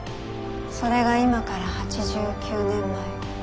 それが今から８９年前。